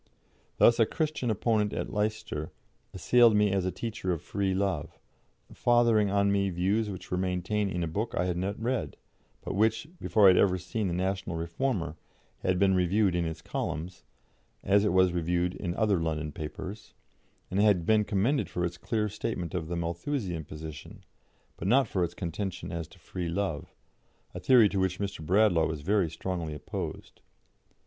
Thus a Christian opponent at Leicester assailed me as a teacher of free love, fathering on me views which were maintained in a book that I had not read, but which, before I had ever seen the National Reformer, had been reviewed in its columns as it was reviewed in other London papers and had been commended for its clear statement of the Malthusian position, but not for its contention as to free love, a theory to which Mr. Bradlaugh was very strongly opposed.